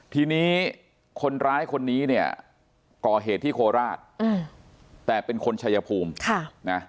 ทีนี้คนร้ายคนนี้เนี่ยก่อเหตุที่โคราชแต่เป็นคนชายภูมินะ